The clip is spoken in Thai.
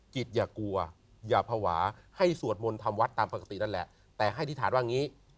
อย่ากลัวอย่าภาวะให้สวดมนต์ทำวัดตามปกตินั่นแหละแต่ให้อธิษฐานว่างี้